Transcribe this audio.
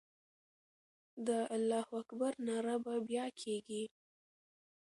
د الله اکبر ناره به بیا کېږي.